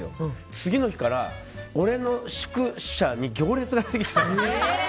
次の日から、俺の宿舎に行列ができているんですよ。